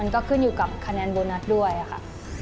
ก็ขึ้นอยู่กับคะแนนโบนัสด้วยค่ะ